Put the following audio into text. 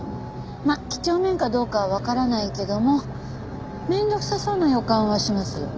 まあ几帳面かどうかはわからないけども面倒くさそうな予感はしますよね。